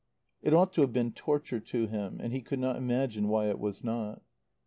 It ought to have been torture to him; and he could not imagine why it was not.